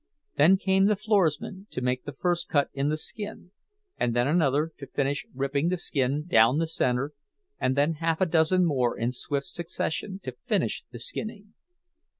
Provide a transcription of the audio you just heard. Then came the "floorsman," to make the first cut in the skin; and then another to finish ripping the skin down the center; and then half a dozen more in swift succession, to finish the skinning.